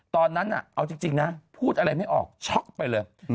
ตอนนั้นเอาจริงนะพูดอะไรไม่ออกช็อกไปเลย